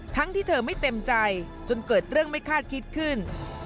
ที่เธอไม่เต็มใจจนเกิดเรื่องไม่คาดคิดขึ้น